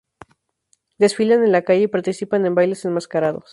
Desfilan en la calle y participan en bailes enmascarados.